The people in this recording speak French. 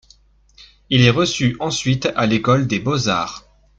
Il est reçu ensuite à l'école des Beaux-Arts.